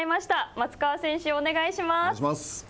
松川選手、お願いします。